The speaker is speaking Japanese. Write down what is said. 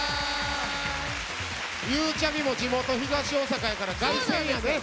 ゆうちゃみも地元東大阪やから凱旋やねもう。